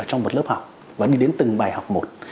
trong một lớp học và đi đến từng bài học một